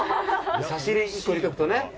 差し入れ１個入れとくとね